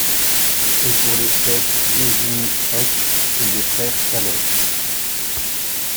Et pour les fêtes Virginie Hocq et les Frères Taloche.